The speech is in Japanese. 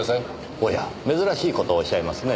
おや珍しい事をおっしゃいますね。